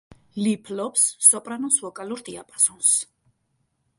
ლი ფლობს სოპრანოს ვოკალურ დიაპაზონს.